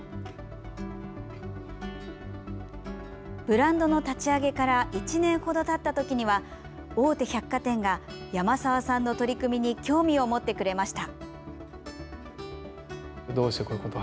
ブランドの立ち上げから１年程たった時には大手百貨店が山澤さんの取り組みに興味を持ってくれました。